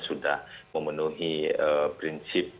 sudah memenuhi prinsip